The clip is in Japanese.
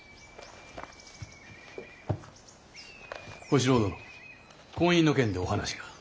小四郎殿婚姻の件でお話が。